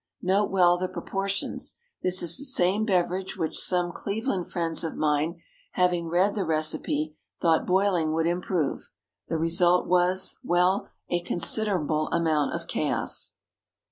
Note well the proportions. This is the same beverage which some Cleveland friends of mine, having read the recipe, thought boiling would improve. The result was well, a considerable amount of chaos.